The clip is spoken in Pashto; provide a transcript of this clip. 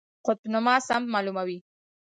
قطب نما سمت معلوموي